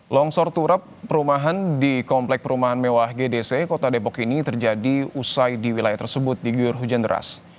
longsor turap perumahan di komplek perumahan mewah gdc kota depok ini terjadi usai di wilayah tersebut digiur hujan deras